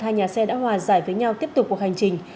hai nhà xe đã hòa giải với nhau tiếp tục cuộc hành trình